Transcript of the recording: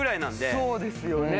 そうですよね。